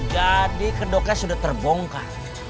jadi kedoknya sudah terbongkar